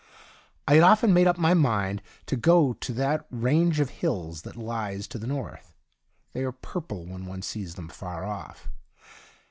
I had often made up my mind to go to that range of hills that lies to the north. They ai e purple when one sees them far off.